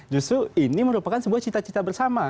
justru ini merupakan sebuah cita cita bersama